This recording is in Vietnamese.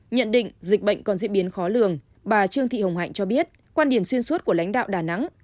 nhận định dịch bệnh còn diễn biến khó lường bà trương thị hồng hạnh cho biết quan điểm xuyên suốt của lãnh đạo đà nẵng